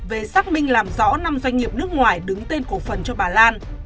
về xác minh làm rõ năm doanh nghiệp nước ngoài đứng tên cổ phần cho bà lan